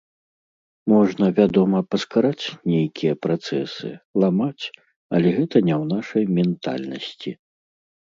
Можна, вядома, паскараць нейкія працэсы, ламаць, але гэта не ў нашай ментальнасці.